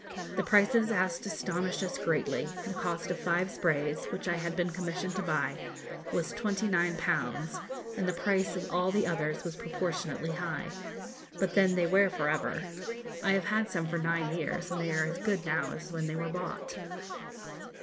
The prices asked astonished us greatly; the cost of five sprays, which I had been commissioned to buy, was 29_l_., and the price of all the others was proportionately high. But then they wear for ever. I have had some for nine years, and they are as good now as when they were bought.